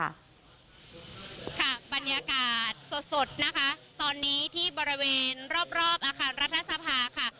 ค่ะบรรยากาศสดนะคะตอนนี้ที่บริเวณรอบรอบอาคารรัฐสภาค่ะ